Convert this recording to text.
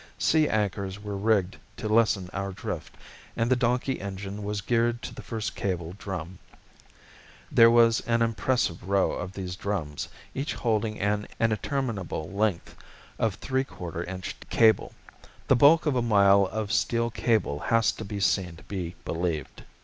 Sea anchors were rigged to lessen our drift and the donkey engine was geared to the first cable drum. There was an impressive row of these drums, each holding an interminable length of three quarter inch cable. The bulk of a mile of steel cable has to be seen to be believed!